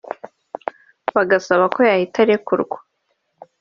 bagasaba ko yahita arekurwa